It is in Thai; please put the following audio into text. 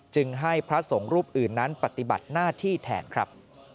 จึงให้พระสงฆ์รูปอื่นนั้นปฏิบัติหน้าที่แทนครับ